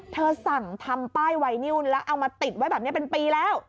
สั่งทำป้ายไวนิวแล้วเอามาติดไว้แบบนี้เป็นปีแล้ว